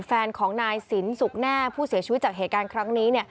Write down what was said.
แฟนของนายสินสุขแน่ผู้เสียชีวิตจากเหตุการณ์ครั้งนี้